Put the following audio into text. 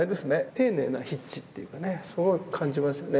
丁寧な筆致っていうかねすごい感じますよね。